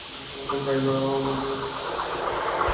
আমার নাম রাইমা, আমরা মিন্টো থাকি, আমার বাবা সকালে ড্রপ দিয়ে যায়।